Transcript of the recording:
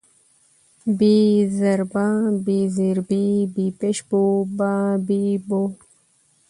ب زر با، ب زېر بي، ب پېښ بو، با بي بو